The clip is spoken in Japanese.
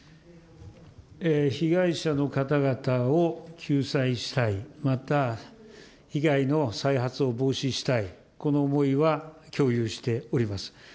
被害者の方々を救済したい、また、被害の再発を防止したい、この思いは共有しております。